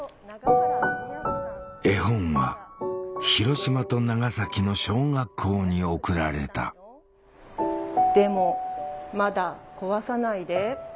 絵本は広島と長崎の小学校に贈られた「でもまだ壊さないで。